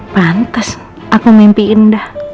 pantes aku mimpiin dah